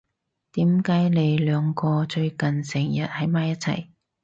點解你兩個最近成日喺埋一齊？